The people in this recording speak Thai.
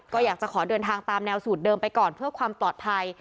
ก็อยากจะขอเดินทางตามแนวสูตรเดิมไปก่อนเพื่อความปลอดภัย